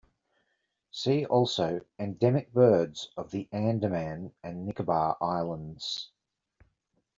See also Endemic Birds of the Andaman and Nicobar Islands.